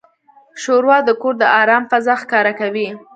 ښوروا د کور د آرام فضا ښکاره کوي.